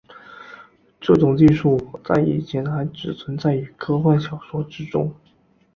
这种技术在以前还只存在于科幻小说之中。